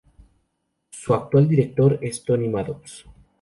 Su actual director es Tony Maddox.